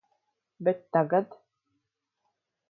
Bet tagad...